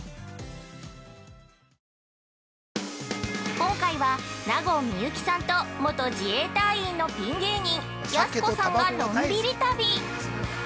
今回は、納言・みゆきさんと元自衛隊員のピン芸人やす子さんが、のんびり旅。